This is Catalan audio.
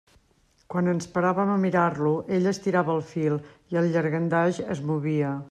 Quan ens paràvem a mirar-lo, ella estirava el fil i el llangardaix es movia.